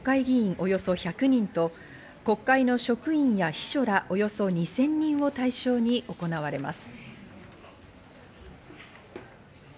およそ１００人と国会の職員や秘書らおよそ２０００人を対象に行われます。